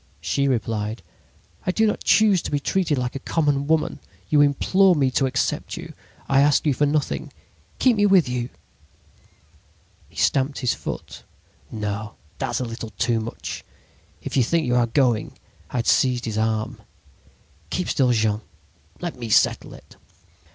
"She replied: "'I do not choose to be treated like a common woman. You implored me to accept you. I asked you for nothing. Keep me with you!' "He stamped his foot. "'No, that's a little too much! If you think you are going—' "I had seized his arm. "'Keep still, Jean. .. Let me settle it.'